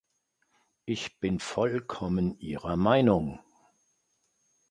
Ich bin vollkommen ihrer Meinung.